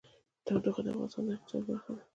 تودوخه د افغانستان د اقتصاد برخه ده.